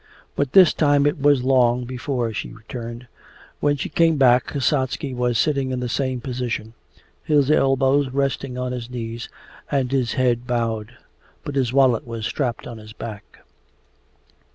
But this time it was long before she returned. When she came back, Kasatsky was sitting in the same position, his elbows resting on his knees and his head bowed. But his wallet was strapped on his back.